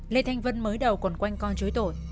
lê thanh vân mới đầu còn quanh con chối tội